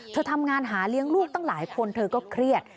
ทำงานหาเลี้ยงลูกตั้งหลายคนเธอก็เครียด